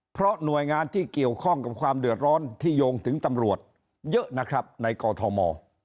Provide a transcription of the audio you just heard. เพราะหน่วยงานที่เกี่ยวข้องกับความเดือดร้อนที่โยงถึงตำรวจเยอะนะครับในกอทม